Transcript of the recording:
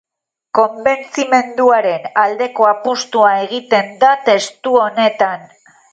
Konbentzimenduaren aldeko apustua egiten da testu honetan.